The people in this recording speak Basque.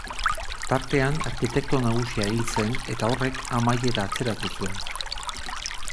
Tartean arkitekto nagusia hil zen eta horrek amaiera atzeratu zuen.